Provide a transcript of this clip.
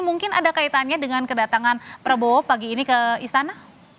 mungkin ada kaitannya dengan kedatangan prabowo pagi ini ke istana